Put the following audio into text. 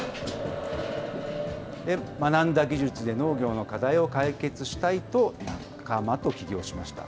学んだ技術で農業の課題を解決したいと、仲間と起業しました。